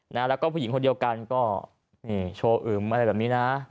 แล้วก็ผู้หญิงคนเดียวกันก็นี่โชว์อึมอะไรแบบนี้นะ